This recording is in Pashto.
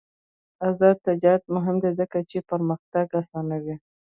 آزاد تجارت مهم دی ځکه چې پرمختګ اسانوي.